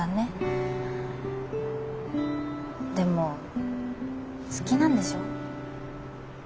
でも好きなんでしょ？